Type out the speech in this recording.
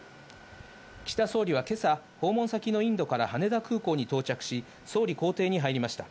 岸田総理は今朝、訪問先のインドから羽田空港に到着し、総理公邸に入りました。